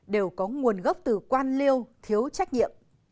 đều có nguồn gốc từ quan liêu thiếu trách nhiệm